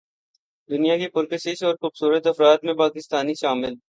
دنیا کے پرکشش اور خوبصورت افراد میں پاکستانی شامل